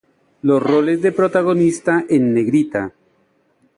Los roles de protagonista en negrita.